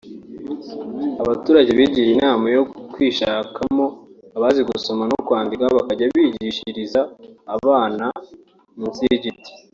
Abaturage bigiriye inama yo kwishakamo abazi gusoma no kwandika bakajya bigishiriza abana munsi y’ibiti